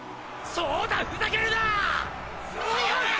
そうだふざけるな！